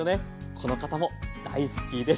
この方も大好きです。